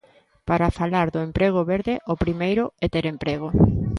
Para falar do emprego verde o primeiro é ter emprego.